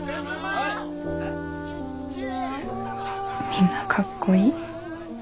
・みんなかっこいい。